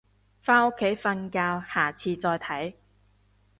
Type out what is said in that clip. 返屋企瞓覺，下次再睇